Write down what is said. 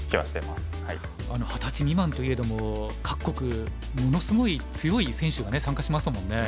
二十歳未満といえども各国ものすごい強い選手がね参加しますもんね。